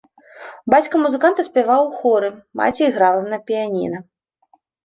Бацька музыканта спяваў у хоры, маці іграла на піяніна.